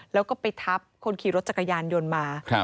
แล้วก็ไปทับคนขี่รถจักรยานยนต์มา